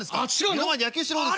「目の前で野球してる方です」。